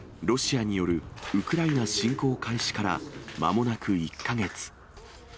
ロシアによるウクライナ侵攻開始からまもなく１か月。